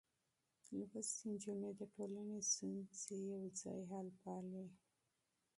لوستې نجونې د ټولنې ستونزې يوځای حل پالي.